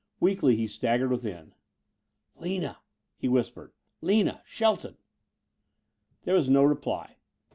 Weakly, he staggered within. "Lina!" he whispered, "Lina! Shelton!" There was no reply.